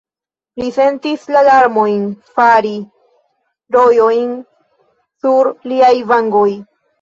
Li sentis la larmojn fari rojojn sur liaj vangoj.